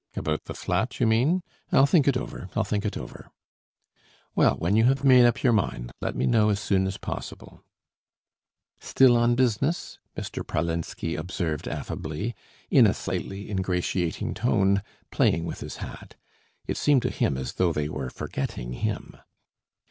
"About the flat, you mean? I'll think it over, I'll think it over." "Well, when you have made up your mind, let me know as soon as possible." "Still on business?" Mr. Pralinsky observed affably, in a slightly ingratiating tone, playing with his hat. It seemed to him as though they were forgetting him.